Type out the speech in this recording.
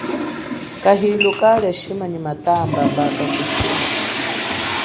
Kahilu kalia shima nyi matamba mba kakutshile.